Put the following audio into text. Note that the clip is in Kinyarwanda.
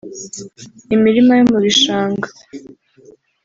imirima yo mubishanga